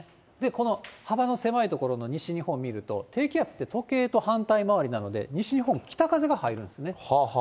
この幅の狭い所の西日本見ると、低気圧って時計と反対回りなので、西日本、北風が入るんですね。